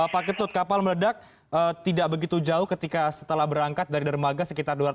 pak ketut kapal meledak tidak begitu jauh ketika setelah berangkat dari dermaga sekitar dua ratus